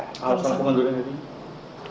apa soal pengunduran diri